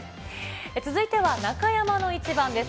続いては、中山のイチバンです。